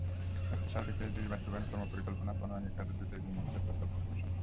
একটি সার্বিক এসডিজি বাস্তবায়ন কর্মপরিকল্পনা প্রণয়নের কাজ দ্রুত এগিয়ে নিচ্ছে পরিকল্পনা কমিশন।